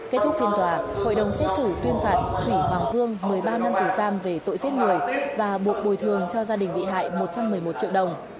kết thúc phiên tòa hội đồng xét xử tuyên phạt thủy hoàng cương một mươi ba năm tù giam về tội giết người và buộc bồi thường cho gia đình bị hại một trăm một mươi một triệu đồng